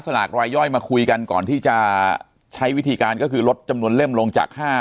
ลากรายย่อยมาคุยกันก่อนที่จะใช้วิธีการก็คือลดจำนวนเล่มลงจาก๕